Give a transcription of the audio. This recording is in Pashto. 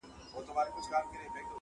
درد او غم به مي سي هېر ستا له آوازه-